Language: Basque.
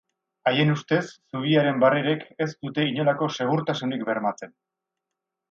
Haien ustez, zubiaren barrerek ez dute inolako segurtasunik bermatzen.